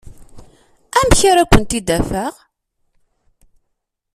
Amek ara kent-id-afeɣ?